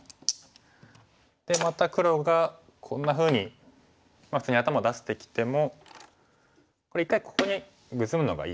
でまた黒がこんなふうに普通に頭出してきてもこれ一回ここにグズむのがいい手ですね。